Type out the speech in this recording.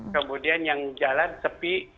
kemudian yang jalan sepi